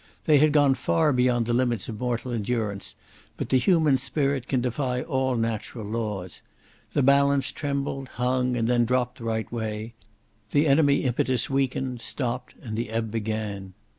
They had gone far beyond the limits of mortal endurance, but the human spirit can defy all natural laws. The balance trembled, hung, and then dropped the right way. The enemy impetus weakened, stopped, and the ebb began.